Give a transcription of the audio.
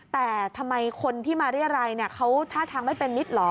แต่ทำไมคนที่มาเรียรัยเขาท่าทางไม่เป็นมิตรเหรอ